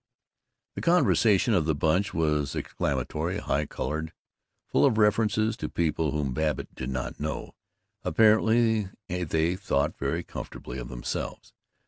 The conversation of the Bunch was exclamatory, high colored, full of references to people whom Babbitt did not know. Apparently they thought very comfortably of themselves.